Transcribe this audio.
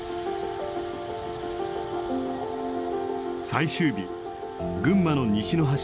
最終日群馬の西の端